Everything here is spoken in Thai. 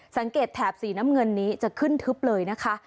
แถบสีน้ำเงินนี้จะขึ้นทึบเลยนะคะ